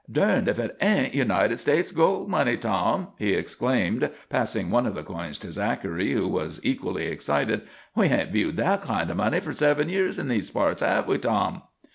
"Durned if hit ain't United States gold money, Tom," he exclaimed, passing one of the coins to Zachary, who was equally excited. "We hain't viewed that kind o' money for seven years in these parts, have we, Tom?"